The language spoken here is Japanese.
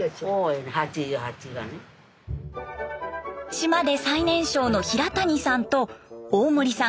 島で最年少の平谷さんと大森さん